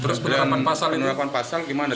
terus penerapan pasal penerapan pasal gimana